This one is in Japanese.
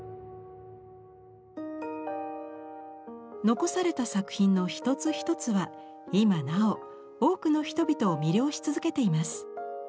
残された作品の一つ一つは今なお多くの人々を魅了し続けています。